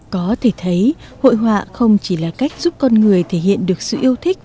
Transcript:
có thể thấy hội họa không chỉ là cách giúp con người thể hiện được sự yêu thích